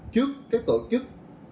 trước các tổ chức